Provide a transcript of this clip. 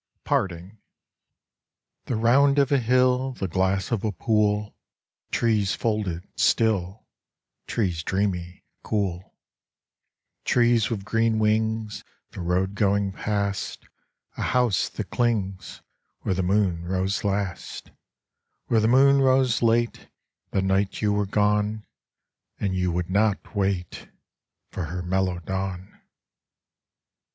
88 PARTING The round of a hill, The glass of a pool, Trees folded, still, Trees dreamy, cool, Trees with green wings, The road going past A house that clings Where the moon rose last, Where the moon rose late The night you were gone, And you would not wait For her mellow dawn